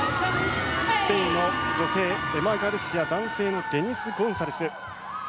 スペインの女性エマ・ガルシア男性のデニス・ゴンサレス。